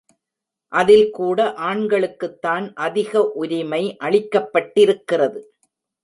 அதில் கூட ஆண்களுக்குத்தான் அதிக உரிமை அளிக்கப்பட்டிருக்கிறது.